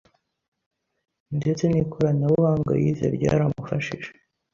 ndetse n’ikoranabuhanga yize ryaramufashije